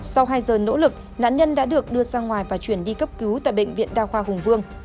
sau hai giờ nỗ lực nạn nhân đã được đưa ra ngoài và chuyển đi cấp cứu tại bệnh viện đa khoa hùng vương